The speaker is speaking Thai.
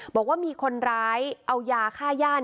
บอกว่ามีคนร้ายเอายาฆ่าย่าน